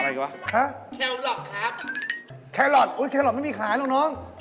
แล้วใครดูแลเขาอีกทีครับ